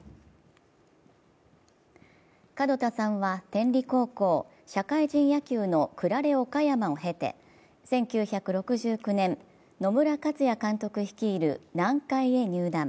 門田さんは天理高校、社会人野球のクラレ岡山を経て１９６９年、野村克也監督率いる南海へ入団。